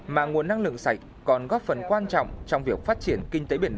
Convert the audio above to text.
mà nguồn năng lượng sạch còn góp phần quan trọng trong việc phát triển đất nước và đất nước của chúng ta